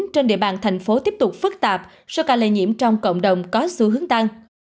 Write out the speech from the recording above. trên địa bàn thành phố tiếp tục phức tạp số ca lây nhiễm trong cộng đồng có xu hướng tăng